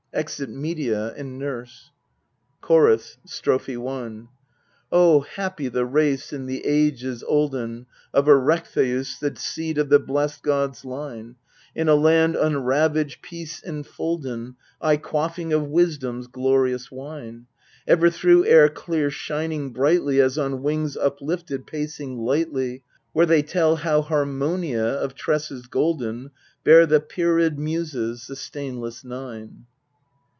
{Exit MEDEA and NURSE. CHORUS. Strophe i Oh, happy the race in the ages olden Of Erechtheus, the seed of the blest gods' line, In a land unravaged, peace enfolden, Aye quaffing of Wisdom's glorious wine, Ever through air clear shining brightly As on wings uplifted pacing lightly, Where they tell how Harmonia of tresses golden Bare the Pierid Muses, the stainless Nine.